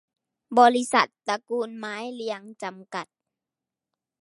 บริษัท ตระกูลไม้เรียง จำกัด